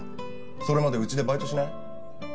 それまでうちでバイトしない？